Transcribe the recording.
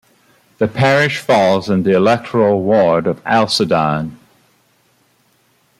The parish falls in the electoral ward of Alcedon.